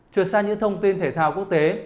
trượt sang những thông tin thể thao quốc tế